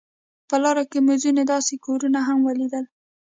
په لار کې مې ځینې داسې کورونه هم ولیدل.